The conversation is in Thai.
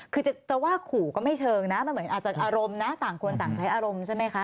คือจะว่าขู่ก็ไม่เชิงนะมันเหมือนอาจจะอารมณ์นะต่างคนต่างใช้อารมณ์ใช่ไหมคะ